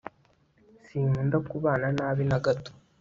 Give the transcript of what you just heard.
sinkunda kubana nabi na gato